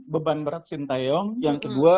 beban berat sintayong yang kedua